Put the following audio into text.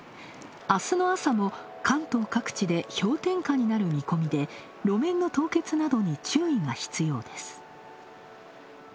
あすの朝も関東各地で氷点下になる見込みで路面の凍結などに注意が必要です。